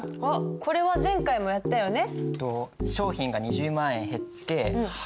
これは前回もやったよね。